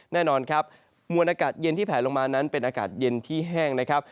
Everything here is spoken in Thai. แน่นอนครับมวลอากาศเย็นที่แผลลงมานั้นเป็นอากาศเย็นที่แห้งนะครับ